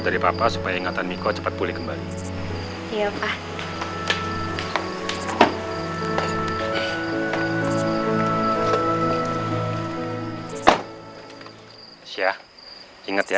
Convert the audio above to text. dan sekarang baru ketemu lagi